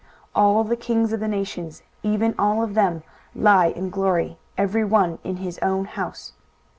23:014:018 All the kings of the nations, even all of them, lie in glory, every one in his own house.